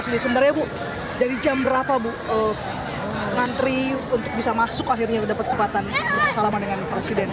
sebenarnya bu dari jam berapa bu ngantri untuk bisa masuk akhirnya dapat kesempatan salaman dengan presiden